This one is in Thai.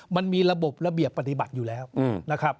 มันมีระบบระเบียบปฏิบัติอยู่แล้วนะครับ